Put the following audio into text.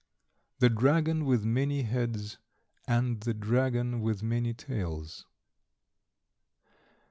THE DRAGON WITH MANY HEADS, AND THE DRAGON WITH MANY TAILS.